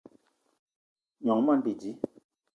Gnong i moni bidi